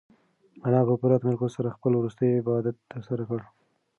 انا په پوره تمرکز سره خپل وروستی عبادت ترسره کړ.